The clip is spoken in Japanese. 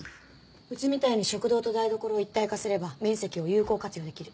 うちみたいに食堂と台所を一体化すれば面積を有効活用できる。